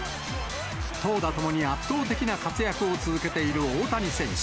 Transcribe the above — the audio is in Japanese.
投打ともに圧倒的な活躍を続けている大谷選手。